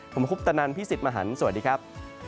ผมคุปตะนันพี่สิทธิ์มหันฯสวัสดีครับ